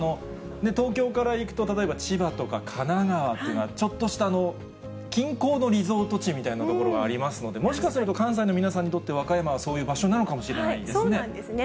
東京から行くと、例えば千葉とか神奈川っていうのは、ちょっとした近郊のリゾート地みたいなところがありますので、もしかすると、関西の皆さんにとっては、和歌山はそういう場所なのかもしれないそうなんですね。